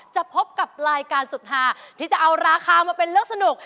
จะพบกับรายการสุดหาที่จะเอาราคามาเป็นเรื่องสนุก